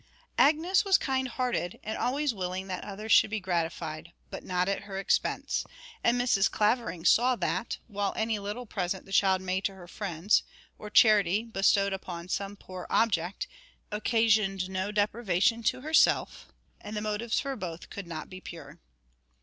Agnes was kind hearted, and always willing that others should be gratified, but not at her expense; and Mrs. Clavering saw that, while any little present the child made to her friends, or charity bestowed on some poor object, occasioned no deprivation to herself, the motives for both could not be pure.